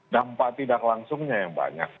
dampak tidak langsungnya yang banyak